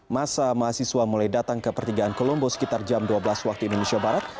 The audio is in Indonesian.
masa mahasiswa mulai datang ke pertigaan kolombo sekitar jam dua belas waktu indonesia barat